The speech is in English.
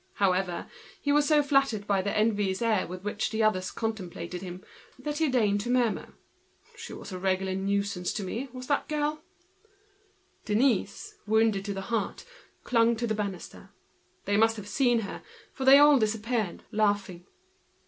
But he was so flattered by the air of envy with which the others were contemplating him, that he deigned to murmur: "She was a regular nuisance to me, that girl!" Denise, wounded to the heart, clung to the banister. They must have seen her, for they all disappeared, laughing.